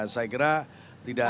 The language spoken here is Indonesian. saya kira tidak